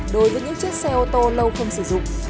đối với những chiếc xe ô tô lâu không sử dụng